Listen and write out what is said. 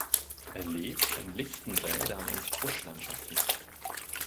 Er lebt in lichten Wäldern und Buschlandschaften.